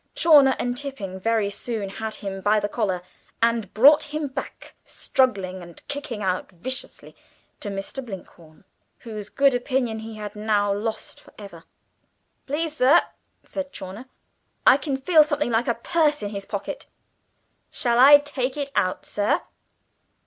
Chawner and Tipping very soon had him by the collar, and brought him back, struggling and kicking out viciously, to Mr. Blinkhorn, whose good opinion he had now lost for ever. "Please, sir," said Chawner, "I can feel something like a purse in his pocket. Shall I take it out, sir?"